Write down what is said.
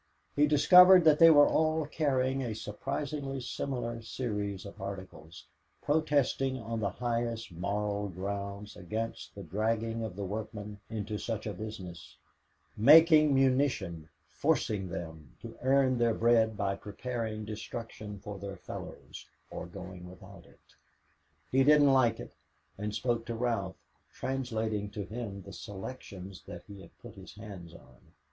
He discovered that they were all carrying a surprisingly similar series of articles, protesting on the highest moral grounds against the dragging of the workmen into such a business making munition, forcing them to earn their bread by preparing destruction for their fellows, or going without it. He didn't like it and spoke to Ralph, translating to him the selections that he had put his hands on.